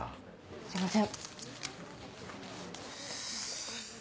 すいません。